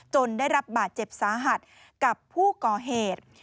ได้รับบาดเจ็บสาหัสกับผู้ก่อเหตุ